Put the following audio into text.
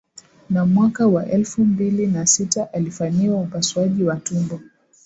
Na mwaka wa elfu mbili na sita alifanyiwa upasuaji wa tumbo